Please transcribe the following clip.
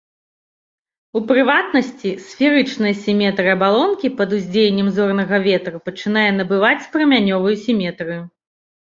У прыватнасці, сферычная сіметрыя абалонкі пад уздзеяннем зорнага ветру пачынае набываць прамянёвую сіметрыю.